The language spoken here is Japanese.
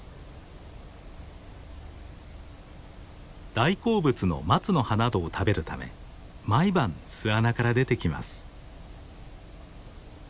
大好物のマツの葉などを食べるため毎晩巣穴から出てきます。